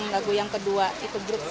lagu yang kedua itu brute tujuh belas gitu ya